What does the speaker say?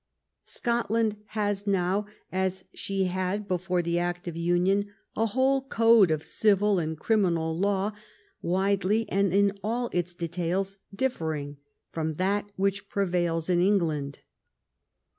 Scotland has now, as she had before the act of union, a whole code of civil and criminal law widely, and in all its details, dif fering from that which prevails in England.